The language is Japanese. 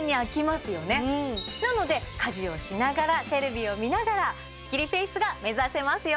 家事をしながらテレビを見ながらスッキリフェイスが目指せますよ